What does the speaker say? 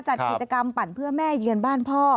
จัดกิจกรรมปั่นเพื่อแม่เยือนบ้านพ่อ